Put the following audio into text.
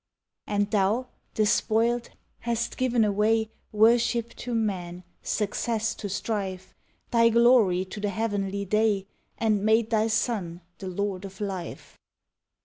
And Thou, despoiled, hast given away Worship to men, success to strife, Thy glory to the heavenly day, And made Thy sun the lord of life.